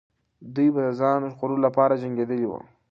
دوی به د ځان ژغورلو لپاره جنګېدلې وو.